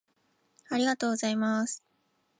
ありがとうございます。